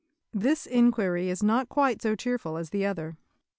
This inquiry is not quite so cheerful as the other.